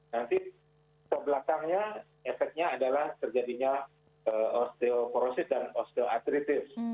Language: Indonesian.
nanti kebelakangnya efeknya adalah terjadinya osteoporosis dan osteoartritis